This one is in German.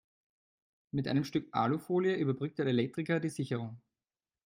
Mit einem Stück Alufolie überbrückte der Elektriker die Sicherung.